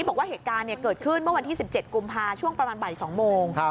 บอกว่าเหตุการณ์เกิดขึ้นเมื่อวันที่๑๗กุมภาคช่วงประมาณบ่าย๒โมง